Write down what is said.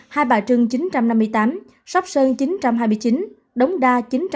hai bà trưng chín trăm năm mươi tám sóc sơn chín trăm hai mươi chín đống đa chín trăm một mươi bốn